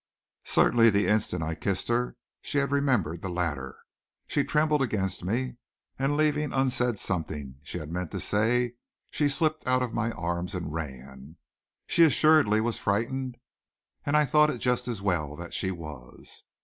Certainly the instant I kissed her she remembered the latter. She trembled against me, and leaving unsaid something she had meant to say, she slipped out of my arms and ran. She assuredly was frightened, and I thought it just as well that she was.